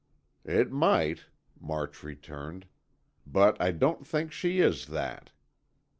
"It might," March returned, "but I don't think she is that."